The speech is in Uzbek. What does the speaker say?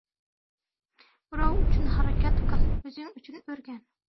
• Birov uchun harakat qil, o‘zing uchun o‘rgan.